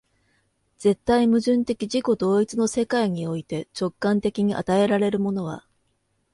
絶対矛盾的自己同一の世界において、直観的に与えられるものは、